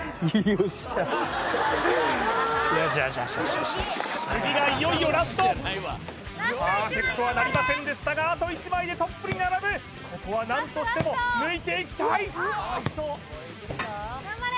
よっしゃ次がいよいよラストパーフェクトはなりませんでしたがあと１枚でトップに並ぶここはなんとしても抜いていきたい頑張れ！